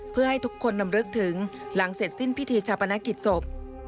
เพื่อให้ทุกคนนำรึกถึงหลังเสร็จสิ้นพิธีชาปนกิจศพ